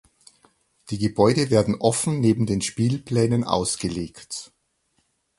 Die Gebäude werden offen neben den Spielplänen ausgelegt.